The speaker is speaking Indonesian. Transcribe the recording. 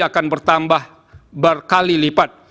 akan bertambah berkali lipat